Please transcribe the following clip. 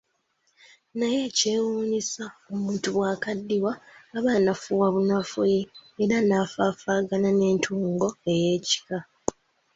Naye ekyekwewuunyisa omuntu bwakaddiwa aba anafuwa bunafuyi, era nafaafaagana ng'entungo eyiika.